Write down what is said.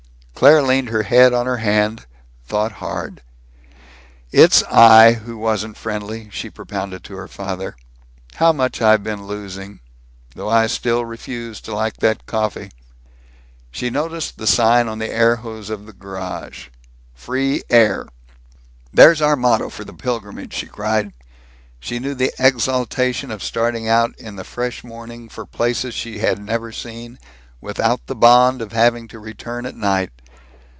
Claire leaned her head on her hand, thought hard. "It's I who wasn't friendly," she propounded to her father. "How much I've been losing. Though I still refuse to like that coffee!" She noticed the sign on the air hose of the garage "Free Air." "There's our motto for the pilgrimage!" she cried. She knew the exaltation of starting out in the fresh morning for places she had never seen, without the bond of having to return at night.